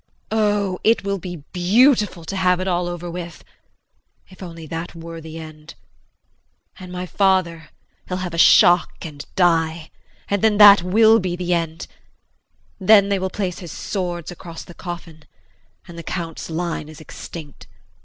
Oh, it will be beautiful to have it all over with if only that were the end! And my father he'll have a shock and die, and then that will be the end. Then they will place his swords across the coffin and the Count's line is extinct.